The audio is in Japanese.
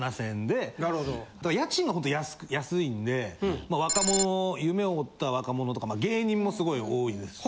家賃はほんと安いんで若者夢を追った若者とか芸人もすごい多いですし。